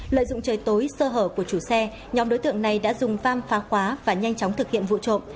lợi dụng trời tối sơ hở của chủ xe nhóm đối tượng này đã dùng pham phá khóa và nhanh chóng thực hiện vụ trộm